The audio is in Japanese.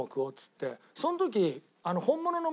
その時。